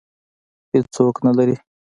هېڅوک نه لري